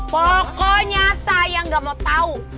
pokoknya saya nggak mau tahu